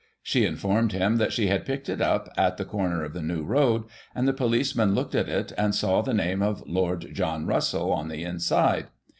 She informed him that she had picked it up at the comer of the New Road, and the poHceman looked at it, and saw the name of Lord John Russell in the inside.